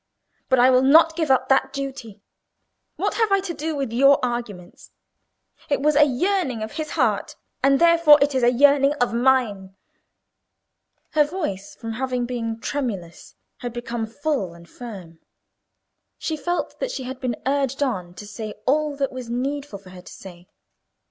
But I will not give up that duty. What have I to do with your arguments? It was a yearning of his heart, and therefore it is a yearning of mine." Her voice, from having been tremulous, had become full and firm. She felt that she had been urged on to say all that it was needful for her to say.